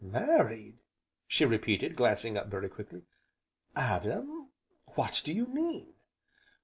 "Married!" she repeated, glancing up very quickly, "Adam what do you mean?"